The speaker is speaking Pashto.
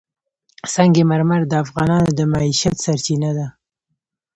سنگ مرمر د افغانانو د معیشت سرچینه ده.